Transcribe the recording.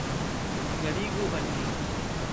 Klarigu al mi.